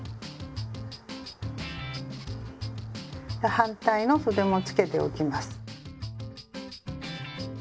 反対のそでもつけておきます。